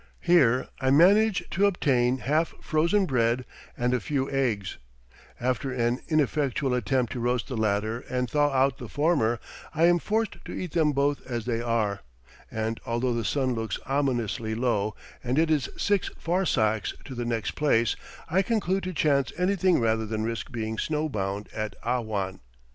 Here I manage to obtain half frozen bread and a few eggs; after an ineffectual attempt to roast the latter and thaw out the former, I am forced to eat them both as they are; and although the sun looks ominously low, and it is six farsakhs to the next place, I conclude to chance anything rather than risk being snow bound at Ahwan.